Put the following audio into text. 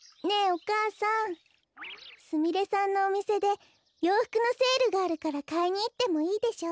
お母さんすみれさんのおみせでようふくのセールがあるからかいにいってもいいでしょ？